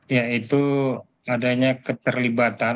ya itu adanya keterlibatan